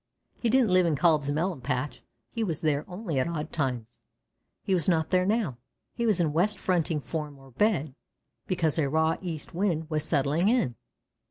He didn't live in Kalb's melon patch; he was there only at odd times. He was not there now; he was in his west fronting form or bed, because a raw east wind was setting in.